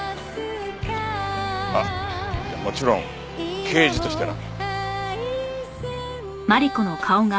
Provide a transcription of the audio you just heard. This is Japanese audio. あっもちろん刑事としてな。